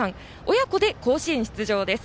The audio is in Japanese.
親子で甲子園出場です。